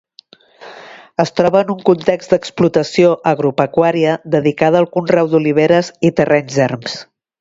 Es troba en un context d'explotació agropecuària dedicada al conreu d'oliveres i terrenys erms.